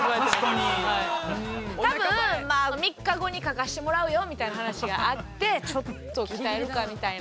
多分３日後に描かしてもらうよみたいな話があってちょっと鍛えるかみたいな。